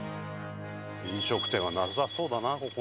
飲食店はなさそうだなここ。